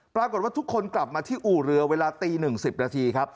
ปรากฏว่าทุกคนกลับมาที่อู่เรือเวลาตี๑๐นาทีครับ